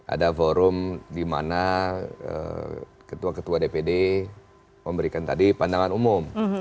ada forum di mana ketua ketua dpd memberikan tadi pandangan umum